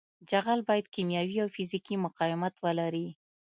جغل باید کیمیاوي او فزیکي مقاومت ولري